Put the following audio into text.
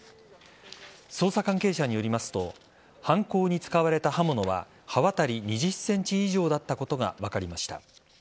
捜査関係者によりますと犯行に使われた刃物は刃渡り２０ｃｍ以上だったことが分かりました。